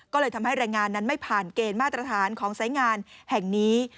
ก็เลยทำให้แรงงานนั้นไม่ผ่านเกณฑ์มาตรฐานของสายงานแห่งนี้